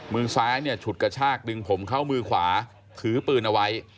มือซ้ายเนี่ยฉุดกระชากดึงผมเข้ามือขวาถือปืนเอาไว้